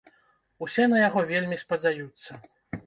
Усе на яго вельмі спадзяюцца.